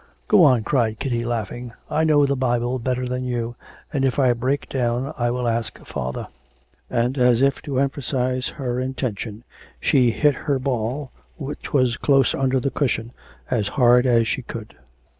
'Go on,' cried Kitty, laughing. 'I know the Bible better than you, and if I break down I will ask father.' And as if to emphasise her intention, she hit her ball, which was close under the cushion, as hard as she could.